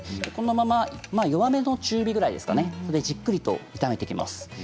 このまま、弱めの中火ぐらいでじっくりと炒めていきます。